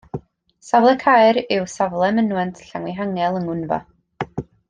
Safle caer yw safle mynwent Llanfihangel yng Ngwynfa.